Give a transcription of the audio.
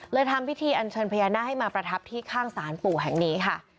ทำพิธีอันเชิญพญานาคให้มาประทับที่ข้างศาลปู่แห่งนี้ค่ะ